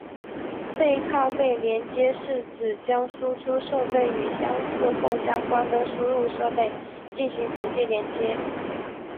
背靠背连接是指将输出设备与相似或相关的输入设备进行直接连接。